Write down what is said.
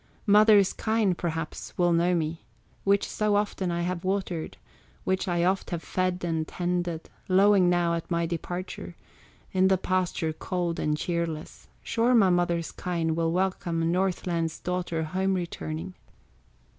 "Mother's kine perhaps will know me, Which so often I have watered, Which I oft have fed and tended, Lowing now at my departure, In the pasture cold and cheerless; Sure my mother's kine will welcome Northland's daughter home returning.